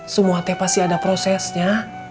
semua teh pasti ada prosesnya